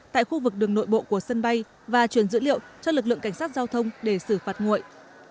tại khu vực đường nội bộ của sân bay và truyền dữ liệu cho lực lượng cảnh sát giao thông để xử phạt nguội